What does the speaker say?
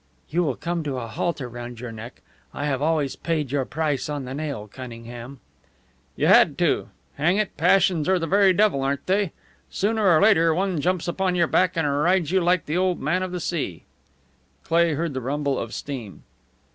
"You will come to a halter round your neck. I have always paid your price on the nail, Cunningham." "You had to. Hang it, passions are the very devil, aren't they? Sooner or later one jumps upon your back and rides you like the Old Man of the Sea." Cleigh heard the rumble of steam.